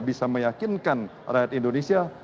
bisa meyakinkan rakyat indonesia